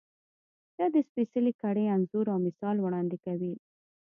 دا د سپېڅلې کړۍ انځور او مثال وړاندې کوي.